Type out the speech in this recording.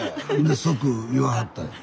で即言わはったんや。